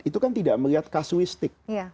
itu kan tidak melihat kasuistik